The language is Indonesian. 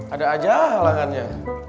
ada aja halangannya